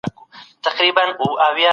هغوی مه نا امیده کوئ.